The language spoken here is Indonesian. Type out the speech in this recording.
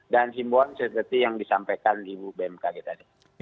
dan simpon seperti yang disampaikan